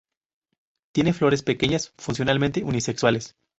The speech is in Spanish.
Tiene flores pequeñas, funcionalmente unisexuales.